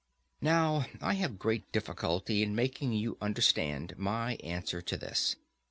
Now I have great difficulty in making you understand my answer to this.